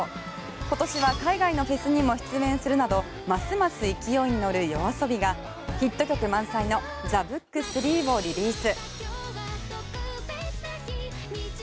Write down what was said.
今年は海外のフェスにも出演するなどますます勢いに乗るＹＯＡＳＯＢＩがヒット曲満載の「ＴＨＥＢＯＯＫ３」をリリース。